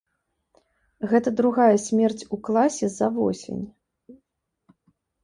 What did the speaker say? Гэта другая смерць у класе за восень.